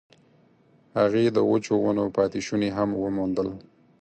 هغې د وچو ونو پاتې شوني هم وموندل.